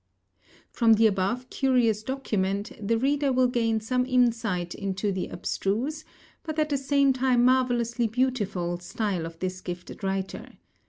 From the above curious document the reader will gain some insight into the abstruse, but at the same time marvellously beautiful, style of this gifted writer.